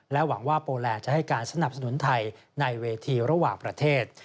หวังว่าโปแลนดจะให้การสนับสนุนไทยในเวทีระหว่างประเทศ